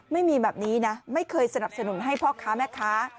ไม่มีแบบนี้นะไม่เคยสนับสนุนให้พ่อค้าแม่ค้า